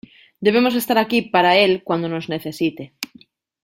Debemos estar aquí para él cuando nos necesite.